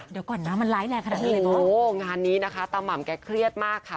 เดี๋ยวก่อนมันไล่แรงขนาดนี้หรือเปล่าโอ้โฮงานนี้นะคะตำหม่ำแกเครียดมากค่ะ